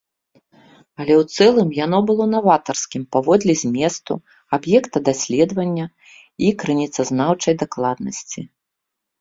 Але ў цэлым яно было наватарскім паводле зместу, аб'екта даследавання і крыніцазнаўчай дакладнасці.